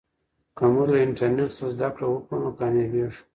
که موږ له انټرنیټ څخه زده کړه وکړو نو کامیابېږو.